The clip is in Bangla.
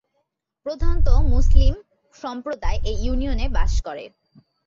প্রধানত মুসলিম সম্পদায় এই ইউনিয়নে বাস করে।